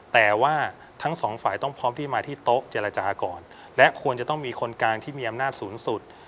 แต่ว่าทั้งสองฝ่ายต้องพร้อมที่มาที่โต๊ะเจรจาก่อนและควรจะต้องมีคนกลางที่มีอำนาจสูงสุด